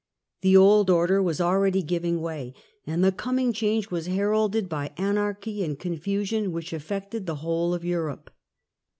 The old order was already giving way, and the coming change was heralded by anarchy and confusion which affected the whole of Europe.